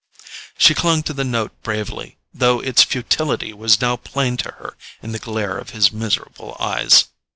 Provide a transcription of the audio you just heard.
She clung to the note bravely, though its futility was now plain to her in the glare of his miserable eyes.